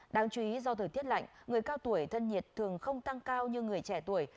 đáng chú ý do thời tiết lạnh người cao tuổi thân nhiệt thường không tăng cao như người trẻ tuổi